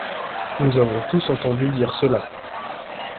Nous avons tous entendu dire cela.